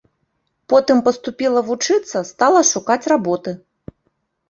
Потым паступіла вучыцца, стала шукаць работы.